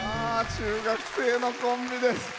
中学生のコンビです。